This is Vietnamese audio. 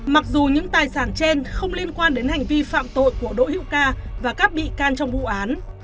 mặc dù những tài sản trên không liên quan đến hành vi phạm tội của đỗ hữu ca và các bị can trong vụ án